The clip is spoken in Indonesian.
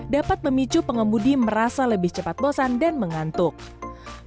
dapat memicu pengemudi merasa lebih cepat bosan dan mengantuk